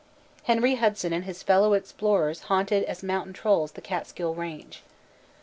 Henry Hudson and his fellow explorers haunted as mountain trolls the Catskill range.